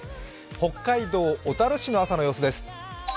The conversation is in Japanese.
北海道小樽市の朝の様子です。